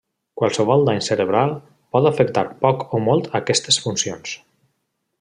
Qualsevol dany cerebral pot afectar poc o molt aquestes funcions.